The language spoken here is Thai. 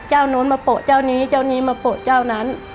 โน้นมาโปะเจ้านี้เจ้านี้มาโปะเจ้านั้น